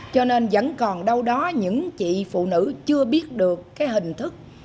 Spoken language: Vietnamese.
cho nên vẫn còn đâu đó những chị phụ nữ chưa biết được cái hình thức